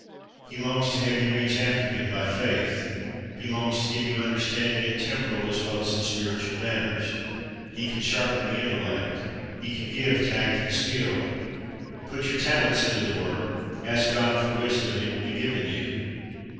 He longs to have you reach after Him by faith. He longs to have you expect great things from Him. He longs to give you understanding in temporal as well as in spiritual matters, lie can sharpen the intellect. He can give tact and skill. Put your talents into the work, ask God for wisdom, and it will be given you.